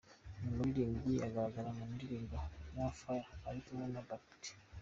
Uyu muririmbyi agaragara mu ndirimbo “More fire” ari kumwe na Bact.